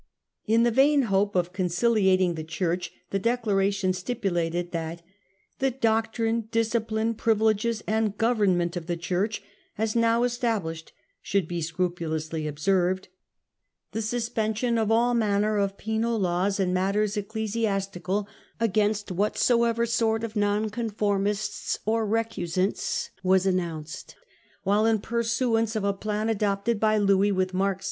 In the vain hope of conciliating the Church, the declaration stipulated that the 4 doctrine, discipline, privileges, and government of the Church as now established ' should be scrupulously observed. The suspension of 'all manner of penal laws in matters ecclesiastical against whatsoever sort of Nonconformists or recusants ' was announced ; while, in pursuance of a plan adopted by Louis with marked 1672 Declaration of Indulgence.